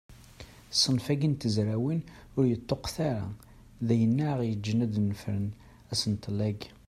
Ṣṣenf-agi n tezrawin ur yeṭṭuqet ara, d ayen aɣ-yeǧǧen ad d-nefren asentel-agi.